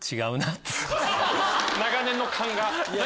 長年の勘が。